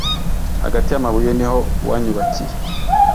hagati y` amabuye niho wanyubakiye